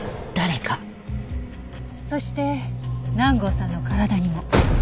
そして南郷さんの体にも。